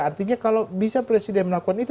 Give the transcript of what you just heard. artinya kalau bisa presiden melakukan itu